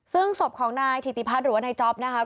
ซึ่งศพของนายถิติพัฒน์หรือว่านายจ๊อปนะคะ